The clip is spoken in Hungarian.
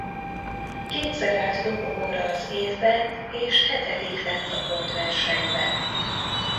Kétszer állt dobogóra az évben és hetedik lett a pontversenyben.